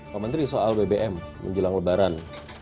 pak menteri soal bbm menjelang lebaran